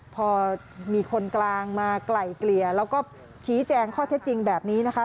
พอมีคนกลางมาไกล่เกลี่ยแล้วก็ชี้แจงข้อเท็จจริงแบบนี้นะคะ